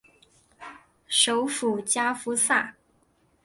首府加夫萨。